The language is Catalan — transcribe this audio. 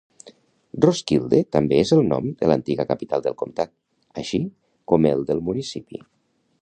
Roskilde també és el nom de l'antiga capital del comtat, així com el del municipi.